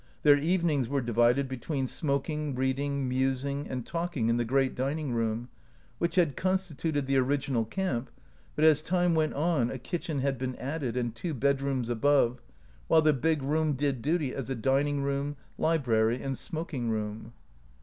Their evenings were divided between smoking, reading, musing, and talking in the great dining room, which had constituted the original camp, but as time went on a kitchen had been added and two bedrooms above, while the big room did duty as a dining room, library, and smoking room.